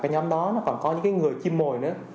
họ có những cái người chim mồi nữa